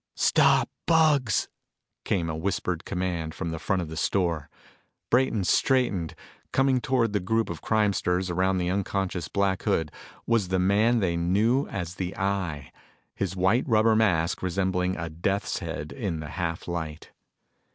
"Stop, Bugs!" came a whispered command from the front of the store. Brayton straightened. Coming toward the group of crimesters around the unconscious Black Hood, was the man they knew as the Eye, his white rubber mask resembling a death's head in the half light.